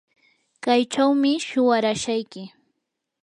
kaychawmi shuwarashayki.